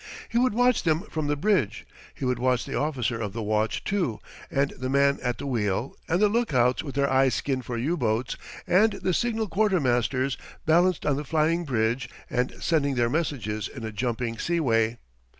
He would watch them from the bridge. He would watch the officer of the watch too, and the man at the wheel, and the lookouts with their eyes skinned for U boats, and the signal quartermasters balanced on the flying bridge and sending their messages in a jumping sea way.